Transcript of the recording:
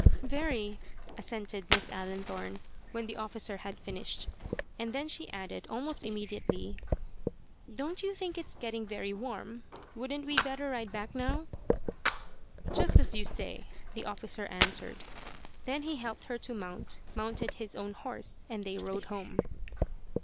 "Very," assented Miss Allenthorne, when the officer had finished; and then she added, almost immediately, "Don't you think it's getting very warm? Wouldn't we better ride back now?" "Just as you say," the officer answered. Then he helped her to mount, mounted his own horse, and they rode home.